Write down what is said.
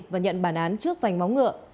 và nhận bản án trước vành móng ngựa